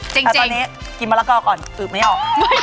เจ๋งแล้วตอนนี้กินมะละกอก่อนปืบไม่ออก